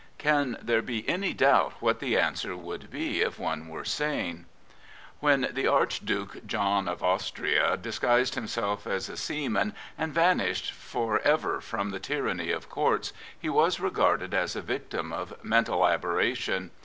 " can there be any doubt what the answer would be if one were sane? T Prophets, Priests, and Kings When the Archduke John of Austria disguised himself as a seaman and vanished for ever from the t3n:anny of Courts, he was regarded as a victim of mental aberration.